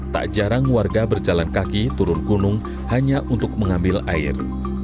tak jarang warga berjalan kaki turun gunung hanya untuk mengambil air